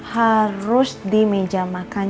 harus di meja makan